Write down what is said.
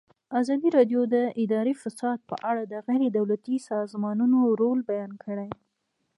ازادي راډیو د اداري فساد په اړه د غیر دولتي سازمانونو رول بیان کړی.